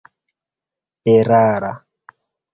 erara